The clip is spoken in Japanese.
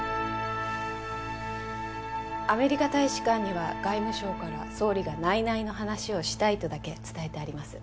アメリカ大使館には外務省から総理が内々の話をしたいとだけ伝えてあります